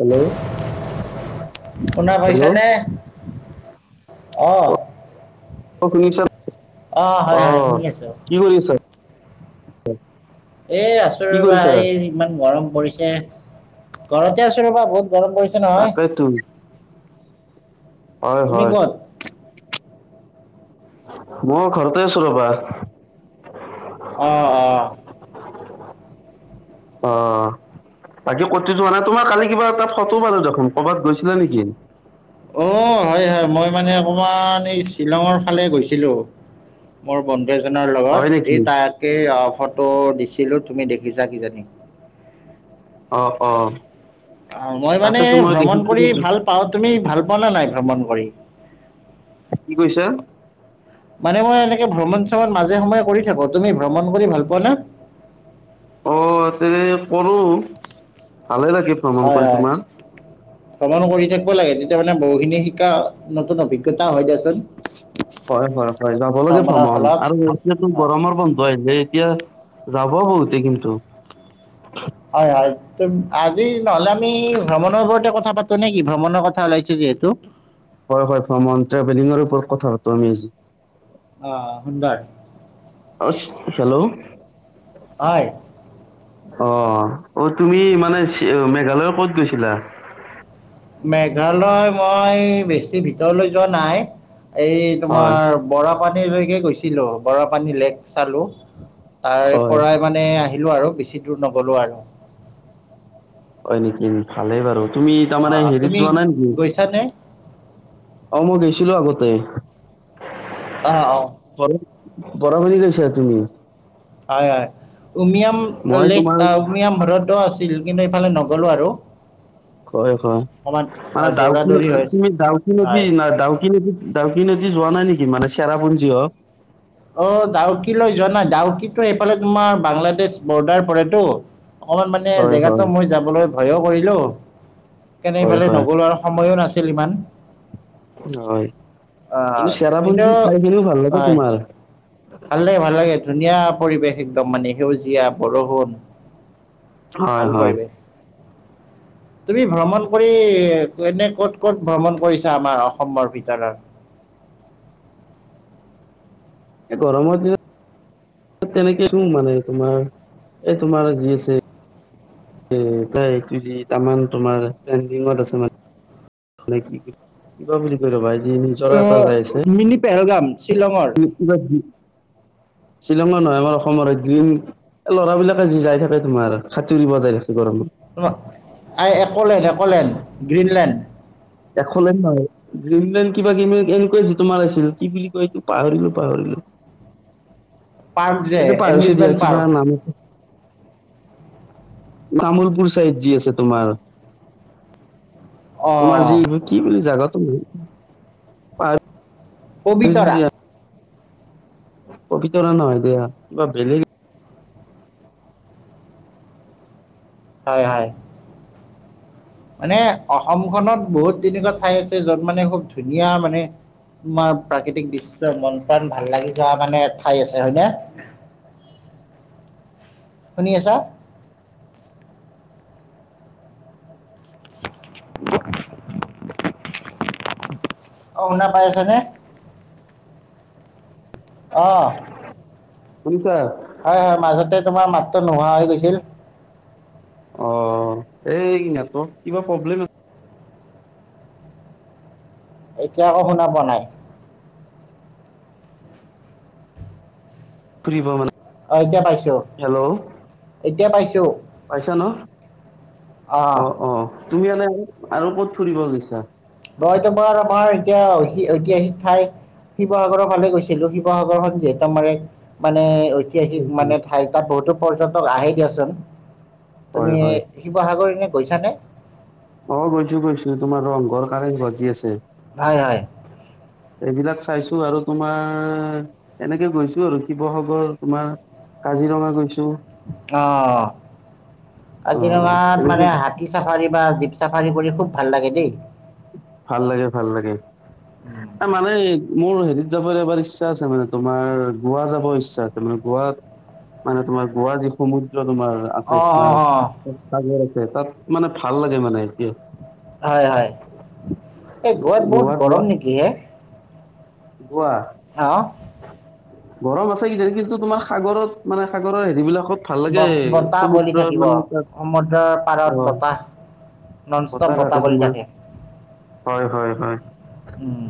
Hello শুনা পাইছা hello নে? আহ। হয় আহ শুনি আছো কি কৰি আছ? এই আছোঁ ৰবা এই ইমান গৰম পৰিছে, ঘৰতে আছোঁ ৰবা বহুত গৰম পৰিছে নহয়, তাকেইতো হয় তুমি হয় কত? মোৰ ঘৰতে আছো ৰবা। অঁ অঁ আহ। বাকী ক হোৱা নাই তোমাৰ কালি কিবা এটা ফটো পালো দেখোন কৰ'ৰবাত গৈছিলা নেকি? অ' হয় হয় মই মানে অকমান শ্বিলঙৰ ফালে গৈছিলো মোৰ বন্ধু এজনৰ হয় লগত, এই নেকি তাকে ফটো দিছিলো তুমি দেখিছা কিজানি। অ'অ'। অ' মই মানে ভ্ৰমণ কৰি ভাল পাওঁ। তুমি ভাল পোৱা নে নাই ভ্ৰমণ কৰি। কি কৈছা। মানে মই এনেকে ভ্ৰমণ চ্ৰমণ মাজে সময়ে কৰি থাকো। তুমি ভ্ৰমণ কৰি ভাল পোৱা না। অ'তে কৰো ভালে লাগি ভ্ৰমণ হয় কৰি হয় তোমাৰ। ভ্ৰমণ কৰি থাকিব লাগে তেতিয়া মানে বহুখিনি শিকা নতুন অভিজ্ঞতা হয় দিয়াচোন। হয়, হয়, হয় যাব লগে ভ্ৰমণৰ ভমণ ফলত আৰু গৰমৰ বন্ধ আহ দেই। এতিয়া যাব বহুতে কিন্তু। হয়, হয় আজি নহ'লে আমি। ভ্ৰমণৰ ওৰতে কথা পাতো নে কি ভ্ৰমণৰ কথা ওলাইছো যিহেতু। হয়, হয় ভ্ৰমণ ট্ৰেভেলিঙৰ ওপৰত কথা পাতো আমি আজি আহ সুন্দৰ। হেল্ল'। হয়। অ' অ' তুমি মানে মেঘালয় ক'ত গৈছিলা। মেঘালয় মই বেছি ভিতৰলৈ যোৱা নাই। এই হয় তোমাৰ বৰাপানীলৈকে গৈছিলো। বৰাপানী লেক চালো। তাৰে হয় পৰাই মানে আহিলো আৰু বেছি দূৰ নগলো আৰু। হয় নেকি? ভালেই বাৰু। তুমি অ তাৰমানে হেৰিত তুমি যোৱা নাই নেকি? গৈছানে অ মই গৈছিলো আগত। তে আহ। আহ। বৰা পানী গৈছা তুমি। হয়, হয়, উমিয়াম মই লেক তোমাৰ উমিয়াম হ [unintelligible] আছে ছিল কিন্তু এইফালে নগলো আৰু। হয়, হয়। অকণমান মানে ডাউ দৌৰা দৌৰি হৈ আছে। তুমি ডাউক নদী হয় ন ডাউক নদীতাউকি নদী যোৱা নাই নেকি মানে চেৰাপুঞ্জী হক। অ ডাউকি লৈ যোৱা নাই। ডাউকি এইফালে তোমাৰ বাংলাদেশ বৰ্ডাৰ পৰেতো। অকমান মানে হয় হয় জেগাতো মই যাবলৈ ভয়ো কৰিলো। কেনে হয় ইফালে হয় নগলোৱাৰ সময়ো নাছিল ইমান। হয়। আহ কিন্তু চেৰাপুঞ্জীৰ চাই কিনেও ভাল লাগে হয় তোমাৰ। ভাল লাগে ভাল লাগে ধুনীয়া পৰিৱেশ একদম মানে সেউজীয়া বৰষুণ। হয়, ভাল হয়। পৰিৱেশ তুমি ভ্ৰমণ কৰি এনে ক'ত ক'ত ভ্ৰমণ কৰিছা আমাৰ অসমৰ ভিতৰত। [unintelligible] এ গৰমৰ দিনত তেনেকে দি মানে তোমাৰ এ তোমাৰ যি আছে। প্ৰায়িটামান তোমাৰ পেইডিংত আছে মানে। কি কি বুলি কয় ৰবা। যি নিজৰা অ মিনি পেহেলগাম। শ্বিলঙৰ উ [inaudible] শ্বিলংৰ নহয় আমাৰ অসমৰ গ্ৰীণ ল'ৰাবিলাকে যাই থাকে তোমাৰ খাতুৰিব তাই। তোমাৰ আ একলেণ্ড, একলেণ্ড, গ্ৰীনলেণ্ড। একলেণ্ড নহয়। গ্ৰীণলেণ্ড কিবা এনেকুৱা যিটো মাৰিছিল কি বুলি কয় এইটো পাহৰিলো পাহৰিলো। অ পাৰ্ক যে এনেকে পাহৰিছো দিয়া এমিউজমেণ্ট কিবা পাৰ্ক নাম আছে। তামুলপুৰ চাইড যি আছে তোমাৰ। তোমাৰ অঁ যিৰ কি বুলি জাগাতো পাহৰিছো। পবিতৰা পবিতৰা নহয় দিয়া কিবা বেলেগ। হয়-হয় মানে অসমখনত বহুত তেনেকুৱা ঠাই আছে য'ত মানে খুব ধুনীয়া মানে তোমাৰ প্ৰাকৃতিক দৃশ্য় মন প্ৰাণ ভাল লাগি যোৱা মানে ঠাই আছে হয় নে। [unintelligible] শুনি আছা? [unintelligible] অ' শুনা পাই আছ নে? অহ শুনিছা হয়-হয় মাজতে তোমাৰ মাতটো নোহোৱা হৈ গৈছিল। অ' এই নেটৱৰ্ক কিবা প্ৰব্লেম আছে। এতিয়া আকৌ শুনা পোৱা নাই। ফুৰিব মানে অহ, এতিয়া পাইছো হেল্ল' এতিয়া পাইছো। পাইছা ন অ অঁ অ তুমি এনে আৰু ক'ত ফুৰিব গৈছা? মই তুমাৰ আমাৰ এতিয়া ঐতিহাসিক ঠাই শিৱসাগৰৰ ফালে গৈছিলো শিৱসাগৰখন যিহেতু আমাৰ এক মানে ঐতিহাসিক মানে ঠাই তাত বহুতো পৰ্যটক আহে দিয়াচোন। তুমি হয়-হয় শিৱসাগৰ এনে গৈছানে অ' গৈছো-গৈছো তোমাৰ ৰং বৰ কাৰে ভজি আছে হয় হয় এইবিলাক চাইছো আৰু তোমাৰ এনেকে গৈছো আৰু শিৱসাগৰ তোমাৰ কাজিৰঙা গোইছো। অ' অ কাজিৰঙাত এনেকে মানে হাতী চাফাৰী বা চাফাৰী কৰি খুব ভাল লাগে দেই। ভাল লাগে ভাল লাগে উম। মানে মোৰ হেতিত যাবলৈ এবাৰ ইচ্ছা আছে মানে তোমাৰ গোৱা যাব ইচ্ছা আছে মানে গোৱাত মানে তোমাৰ গোৱা যিসমূহ তোমাৰ আছে অ অ অ তোমাৰাগ আছে তাত মানে ভাল লাগে মানে এতিয়া হয়-হয় এই গোৱাত বহুত গৰম নেকি এ? গোৱা অহ, গৰম আছে কিজানো কিন্তু তোমাৰ সাগৰত মানে সাগৰৰ হেৰি বিলাকত ব বতাহ বলি থাকিব তাত সমুদ্ৰৰ পাৰত অ বতাহ। নন ষ্টপ বতাহ বলি থাকে। হয়-হয়-হয় উম।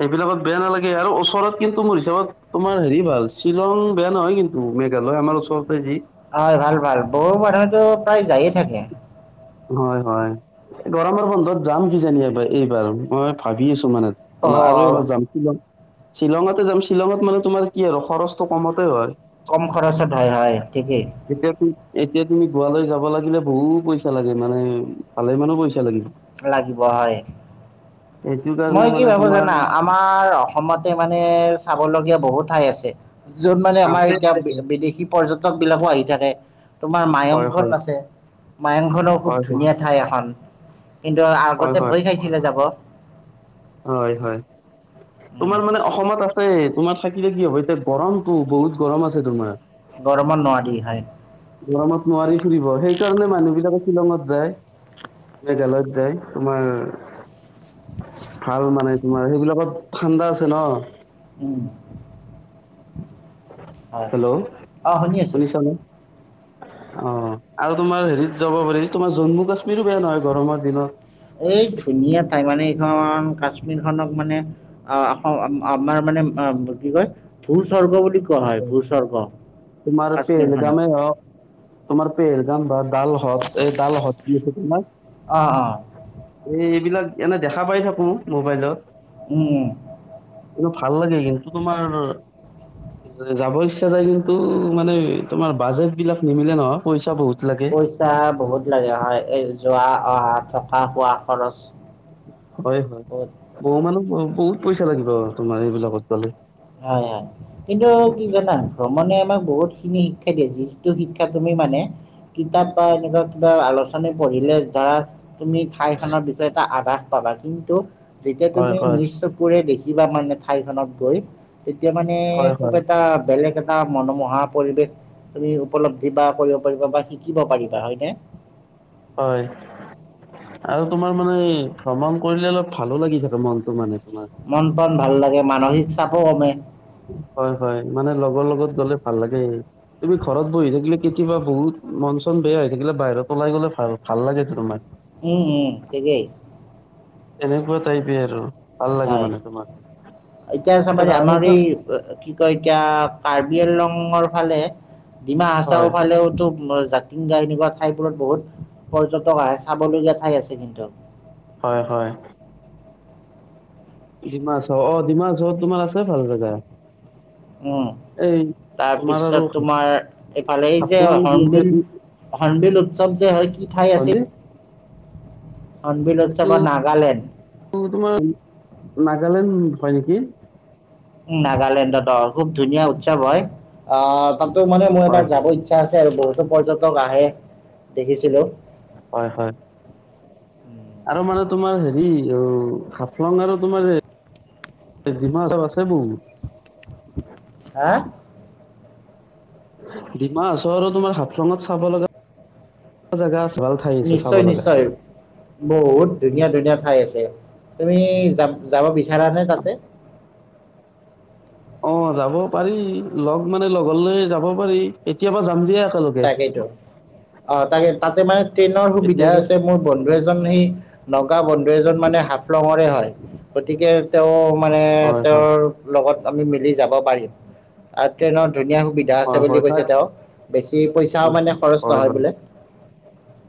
এইব। বিলাকত বেয়া নালাগে আৰু ওচৰত কিন্তু মোৰ হিচাপত তোমাৰ হেৰি ভাল শ্বিলং বেয়া নহয় কিন্তু মেঘালয়। আমাৰ ওচৰতে যি। হয় ভাল-ভাল বহু মানুহেতো প্ৰায় যায়ে থাকে। হয়-হয় গৰমৰ বন্ধত যাম কি জানি এইবাৰ এইবাৰ মই ভাবি আছো মানে। অ তোমাৰ আৰু এবাৰ যাম কি যাম। শ্বিলঙতে যাম শ্বিলঙত মানে তোমাৰ কি আৰু খৰচটো কমতে হয়। কম খৰচত হয়-হয়। এতিয়া। এতিয়া তুমি গোৱালৈ যাব লাগিলে বহুত পইচা লাগে মানে ভালে মানো পইচা লাগিব। লাগিব হয়। সেইটো কাৰণে মই কি মানে ভাবো তোমাৰ জানা আমাৰ অসমতে মানে। চাবলগীয়া বহুত ঠাই আছে। যত মানে আমাৰ আছে এতিয়া বিদেশী পৰ্যটক বিলাকো আহি থাকে। তোমাৰ হয় মায়ংখন হয় আছে মায়ংখননৰ খুব হয় হয় ধুনীয়া ঠাই এখন। কিন্তু হয় আগতে হয় ভয় খাইছিলে যাব। হয় হয় উম, তোমাৰ মানে অসমত আছে তোমাৰ। থাকিলে কি হ'ব এতিয়া গৰমতটো বহুত গৰম আছে তোমাৰ। গৰমৰ নোৱাৰি হয়। গৰমত নোৱাৰি ফুৰিব সেইকাৰণে মানুহবলাকে শ্বিলঙত যায়। হৈ গেলত যায় তোমাৰ। ভাল মানে তোমাৰ সেইবিলাকত ঠাণ্ডা আছে ন। উম। হয় হেল্ল' অ শুনি আছো শুনিছ নে? অ আৰু তোমাৰ হেৰিত যাব পাৰি তোমাৰ জোনমুখ আছে। এই ধুনীয়া তাই মানে কাশ্মীৰ খনক মানে আমাৰ মানে কি কয় স্বৰ্গ বুলি কোৱা হয় ভূস্বৰ্গ। তোমাৰ ভেদগ কাশ্মীৰখনক মে অহ তোমাৰ পেৰজান বা ডালহত এই ডালহত। আহ অ। এই এইবিলাক এনে দেখা পাই থাকো মোবাইলত। অঁ এইটো ভাল লাগে কিন্ত তোমাৰ। যাব ইচ্ছা যায় কিন্তু মানে তোমাৰ বাজেট বিলাক নিমিলে নহয় পইচা বহুত। লাগে পইচা বহুত লাগে হয় এই যোৱা অহা থকা খোৱা খৰচ। হয় হয় বহুত বহু মানহ বহুত পইচা লাগিব তোমাৰ এইবিলাকত গালে। হয় হয় কিন্তু কি জানা ভ্ৰমণে আমাক বহুত খিনি শিক্ষ। যিটো শিক্ষা তুমি মানে কিতাপ বা এনেকুৱা কিবা আলোচনী পঢ়িলে ধৰা। তুমি ঠাইখনৰ বিষয়ে এটা আভাস পাবা কিন্তু যেতিয়া হয় তুমি হয় নিজ চকুৰে দেখি। কিবা মানে ঠাইখনত গৈ তেতিয়া মানে হয় খুব হয় এটা বেলেগ। এটা মনোমোহা পৰিৱেশ। তুমি উপলব্ধি বা কৰিব পাৰিবা বা শিকিব পাৰিবা হয়নে। হয়। আৰু তোমাৰ মানে ভ্ৰমণ কৰিলে অলপ ভালো লাগি থাকাকে মনতটো মানে। তোমাৰ মন প্ৰণ ভাল লাগে মানসিক চাপো কমে। উম। হয় হয় মানে লগৰ লগত গ'লে ভাল লাগে তুমি ঘৰত বহি থাকিলে কেতিয়াবা বহুত মঞ্চ। বেয়া হৈ থাকিলে বাহিৰত লাই গলে ভাল ভাল লাগে তোমাক। উম উম তোকাই। এনেকুৱা টাইপে আৰু ভাল লাগে হয় মানে তোমাৰ এতিয়া চ এ মানে যা আমাৰ সেইখন এই কি কয় এতিয়া কাৰ্বি আল ৰঙৰ ফালে ডমাহ হচাও হয় ফালেওতো জাতিংগা এনেকুৱা ঠাইবোৰত বহুত পৰ্যটক আহে চাবলগীয়া ঠাই আছে কিন্তু হয় হয় দিমছ হ অ দিমাছ হ তোমাৰ আছে ভাল চাগায় উম তাৰপিছত আৰু তোমাৰ এইফালে যে হাফলং যি আছে হৰ্ণবিল ই হনবিল উৎসৱ যে হৰ কি ঠাই হয়। আছিল হৰ্ণবিল এইটো উৎসৱত নাগালেণ্ড তোমাৰ নাগালেণ্ড হয় নেকি নাগালেণ্ডত অ খুব ধুনীয়া উৎসৱ হয় আহ তাতটো মানে মোৰ হয় এবাৰ যাব ইচ্ছা আছে আৰু বহুতো পৰ্যটক আহে দেখিছিলো হয় হয় আৰু মানে তোমাৰ হেৰি অ হাফলং আৰু তোমাৰ ডিমাচাওঁ আছে মোৰ হা ডিমা হচৰ তোমাৰ হাফলঙত চাব লগা জোগা আছে। ভাল ঠাই আছে চাব নিশ্চয়, লগা নিশ্চয় বহুত ধুনীয়া ধুনীয়া ঠাই আছে। তুমি যাম যাব বিচাৰ নে তাতে? অ' যাব পাৰি লগ মানে লগ ল যাব পাৰি এতিয়াবা যাম দিয়া। একেলগে তাকেইটো অ' তাকে তাতে মানে ট্ৰেইনৰ সুবিধা এতিয়া আছে মোৰ বন্ধু এজন সেই নগা বন্ধু এজন মানে হাফলঙৰে হয় গতিকে তেওঁ মানে হয় হয় তেওঁৰ লগত আমি মিলি যাব পাৰিম আৰু ট্ৰেইনত। ধুনীয়া সুবিধা আছে হয় বুলি হয় তাই কৈছে তেওঁ বেছি পইচাও হয়, মানে খৰচ হয়, নহয় বোলে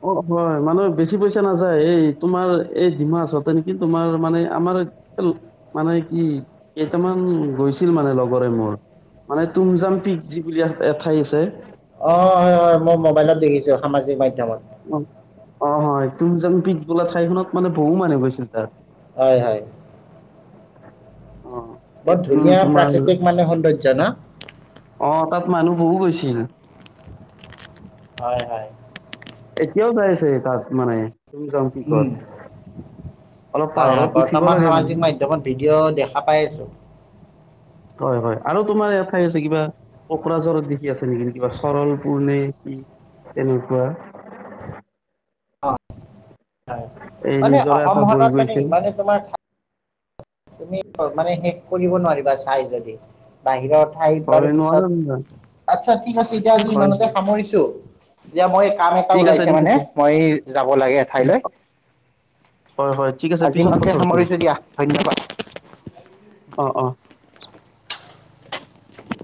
অ' হয় মানে বেছি বেছি পইচা নাযায় এই তোমাৰ এই ডিমাচতে নেকি তোমাৰ মানে আমাৰেল মানে ই কেইটামান গৈছিল মানে লগৰে মোৰ। মানে তুমজাম িক যি বুলি এঠাই আছে। অ' হয় মই মোবাইলত দেখিছো সামাজিক মাধ্ম অ', অ' তুমজং পঠ বোলা ঠাইখনত মানে বহু মানুহ গৈছিল তাত। হয়, হয়। অ বৰ এইটো ধুনীয়া তোমাৰ প্ৰাকৃতিক মানে সৌন্দৰ্য ন? অ' তাত মানুহ বহু গৈছিল। হয়, হয়। কিয় যাইছে তাত মানে তুমি জাং পিকট? উম হয়, হয় বৰ্তমান সামাজিক মাধ্্যমত ভিডিঅ' দেখা পাই আছো। হয়, হয় আৰু তোমাৰ এঠাই আছে কিবা কোকৰাঝৰত দেখি আছে নেকি ন কিবা চৰল পূৰ্ণে তেনেকুৱা। অ' হয় এই মানে নিজৰা এটা বৈ অসমখনত মানে গৈছে ইমানে তোমাৰ ঠা তুমি মানে শেষ কৰিব নোৱাৰিবা চাই যদি বাহিৰত াইত বাৰ হয় নোৱাৰো পিছত আচ্ছা ঠিক আছে এতিয়া আজি হয় ইমানতে হয় সামৰিছো যেয়া মই কাম এটা ঠিক আছে ওলাইছে ঠিক মানে আছে মই যাব লাগে ঠাইলৈ। হয় হয় ঠিক আছে আজি পিছত মহে কথা পাতিম সামৰিছো দিয়া ধন্যবাদ। অ', অ'। উম